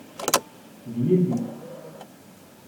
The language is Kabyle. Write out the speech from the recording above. D yelli.